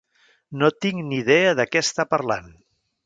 No tinc ni idea de què està parlant.